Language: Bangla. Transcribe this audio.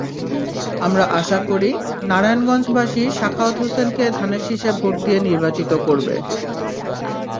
আমরা আশা করি, নারায়ণগঞ্জবাসী সাখাওয়াত হোসেনকে ধানের শীষে ভোট দিয়ে নির্বাচিত করবে।